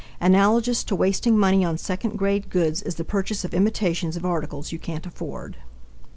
Analogous to wasting money on second grade goods is the purchase of imitations of articles you can't afford.